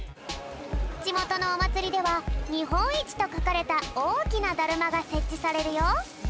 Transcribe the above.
じもとのおまつりではにほんいちとかかれたおおきなだるまがせっちされるよ。